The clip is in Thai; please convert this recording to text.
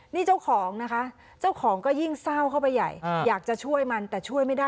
นี่เจ้าของนะคะเจ้าของก็ยิ่งเศร้าเข้าไปใหญ่อยากจะช่วยมันแต่ช่วยไม่ได้